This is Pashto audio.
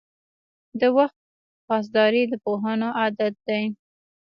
• د وخت پاسداري د پوهانو عادت دی.